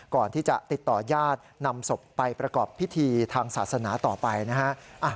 ก่อนที่จะติดต่อญาตินำศพไปประกอบพิธีทางศาสนาต่อไปนะฮะ